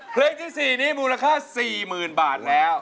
เพลงที่สี่นี้มูลค่าสี่หมื่นบาทแล้ว